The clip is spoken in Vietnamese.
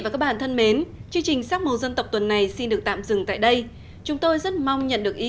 cảm ơn các bạn đã theo dõi và hẹn gặp lại